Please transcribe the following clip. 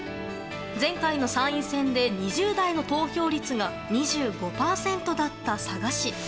前回の参院選で２０代の投票率が２５％だった佐賀市。